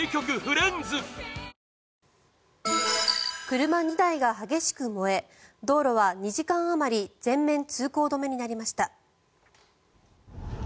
車２台が激しく燃え道路は２時間あまり全面通行止めになりました。